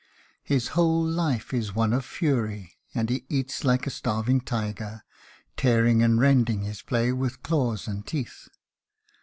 His whole life is one of fury, and he eats like a starving tiger, tearing and rending his prey with claws and teeth.